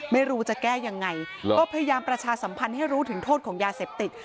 ไม่รู้จะแก้ยังไงก็พยายามประชาสัมพันธ์ให้รู้ถึงโทษของยาเสพติด